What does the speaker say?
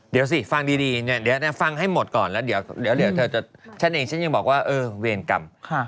เดี๋ยวสิฟังดีเนี่ยเดี๋ยวฟังให้หมดก่อนแล้วเดี๋ยวเธอจะฉันเองฉันยังบอกว่าเออเวรกรรม